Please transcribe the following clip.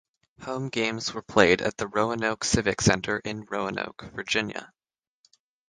Home games were played at the Roanoke Civic Center in Roanoke, Virginia.